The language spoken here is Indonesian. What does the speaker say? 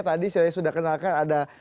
tadi saya sudah kenalkan ada